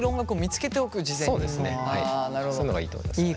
そういうのがいいと思いますね。